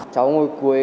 cháu ngồi cuối